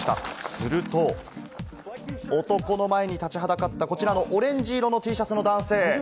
すると男の前に立ちはだかったこちらのオレンジ色のＴシャツの男性。